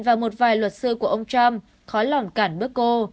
và một vài luật sư của ông trump khó lỏng cản bức cô